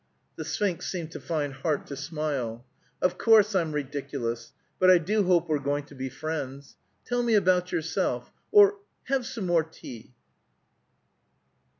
The Sphinx seemed to find heart to smile. "Of course, I'm ridiculous. But I do hope we're going to be friends. Tell me about yourself. Or, have some more tea!"